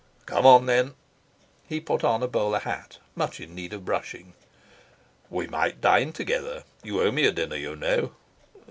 "Come on, then." He put on a bowler hat much in need of brushing. "We might dine together. You owe me a dinner, you know."